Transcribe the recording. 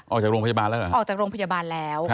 ออกจากโรงพยาบาลแล้วเหรอออกจากโรงพยาบาลแล้ว